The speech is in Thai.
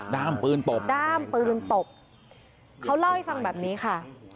้ามปืนตบด้ามปืนตบเขาเล่าให้ฟังแบบนี้ค่ะ